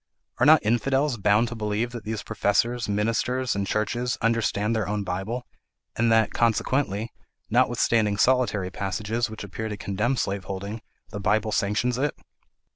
Are not infidels bound to believe that these professors, ministers, and churches understand their own Bible, and that, consequently, notwithstanding solitary passages which appear to condemn slaveholding, the Bible sanctions it?